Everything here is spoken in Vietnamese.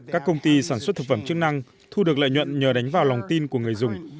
các công ty sản xuất thực phẩm chức năng thu được lợi nhuận nhờ đánh vào lòng tin của người dùng